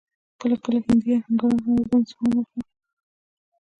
کله کله هندي اهنګرانو هم ور باندې سوهان واهه.